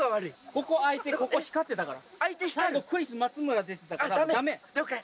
ここ開いてここ光ってたから最後クリス松村って言ってたからダメ了解